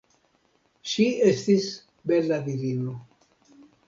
Ŝi estis bela virino.